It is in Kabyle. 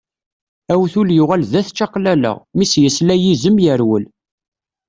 Awtul yuɣal d at čaqlala, mi s-yesla yizem yerwel.